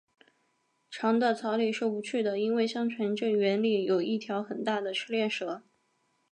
长的草里是不去的，因为相传这园里有一条很大的赤练蛇